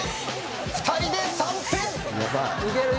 ２人で３点！